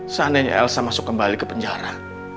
seandainya elsa masuk kembali ke penjara